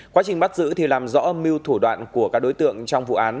quá trình bắt giữ làm rõ mưu thủ đoạn của các đối tượng trong vụ án